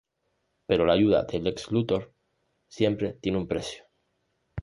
Pero la ayuda de Lex Luthor siempre tiene un precio.